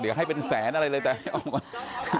เดี๋ยวให้เป็นแสนอะไรเลยแต่ให้ออกมา